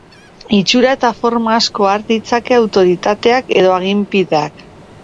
Itxura eta forma asko har ditzake autoritateak edo aginpideak.